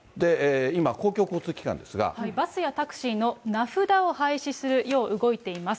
今、バスやタクシーの名札を廃止するよう動いています。